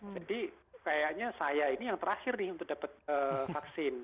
jadi kayaknya saya ini yang terakhir nih untuk dapat vaksin